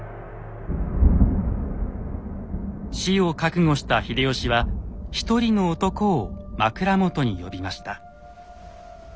死を覚悟した秀吉は一人の男を枕元に呼びました。